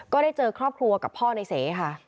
ก็ได้เจอครอบครัวกับพ่อในเสค่ะ